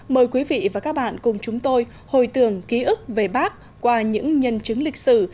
mời quý vị và các bạn cùng chúng tôi hồi tưởng ký ức về bác qua những nhân chứng lịch sử